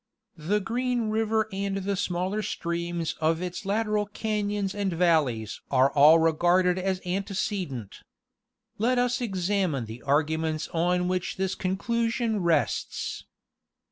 * The Green river and the smaller streams of its lateral cations and valleys are all regarded as antecedent. Let us examine the argu ments on which this conclusion rests.